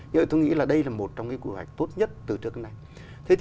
nhưng tôi nghĩ đây là một trong những quy hoạch tốt nhất từ trước đến nay